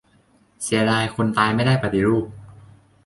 "เสียดายคนตายไม่ได้ปฏิรูป"